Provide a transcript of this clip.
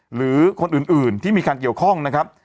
หรือคนอื่นที่มีการเกี่ยวข้องนะครับ